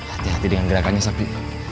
hati hati dengan gerakannya sepi